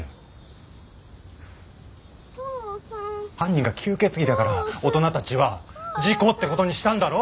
犯人が吸血鬼だから大人たちは事故って事にしたんだろ？